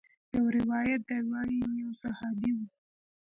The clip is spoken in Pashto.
يو روايت ديه وايي يو صحابي و.